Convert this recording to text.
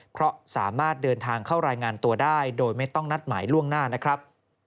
เพราะสามารถเดินทางเข้ารายงานตัวได้โดยไม่ต้องนัดหมายล่วงหน้านะครับ